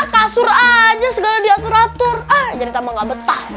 kasur aja segala diatur atur jadi tambah nggak betah